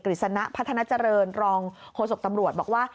ฤษณะพัฒนาเจริญรองโฆษกตำรวจบอกว่า